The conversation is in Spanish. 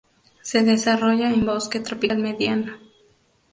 Se desarrolla en bosque tropical mediano.